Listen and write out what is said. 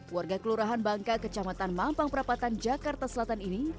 warga kelurahan bangka kecamatan mampang perapatan jakarta selatan ini